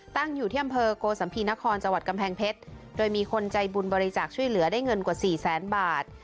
ตั้งอยู่ที่อำเภอโกสัมภีนครจังหวัดกำแพงเพชรโดยมีคนใจบุญบริจาคช่วยเหลือได้เงินกว่าสี่แสนบาท